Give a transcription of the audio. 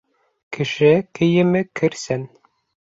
Кеше кейеме керсән.